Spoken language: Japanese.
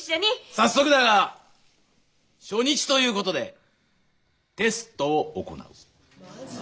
早速だが初日ということでテストを行う。